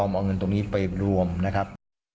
เอาเงินตรงนี้ไปรวมนะครับ